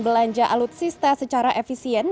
belanja alutsista secara efisien